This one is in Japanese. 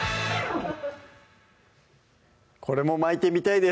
これも巻いてみたいです